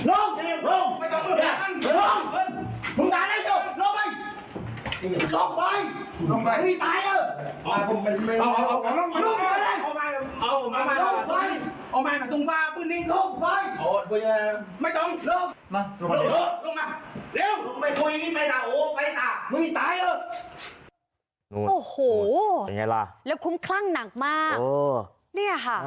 โอ้โหเป็นไงล่ะแล้วคุ้มคลั่งหนักมาก